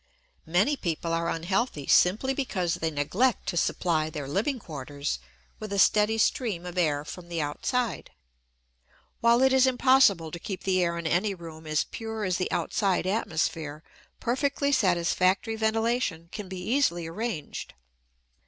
Many people are unhealthy simply because they neglect to supply their living quarters with a steady stream of air from the outside. While it is impossible to keep the air in any room as pure as the outside atmosphere, perfectly satisfactory ventilation can be easily arranged.